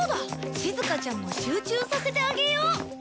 しずかちゃんも集中させてあげよう。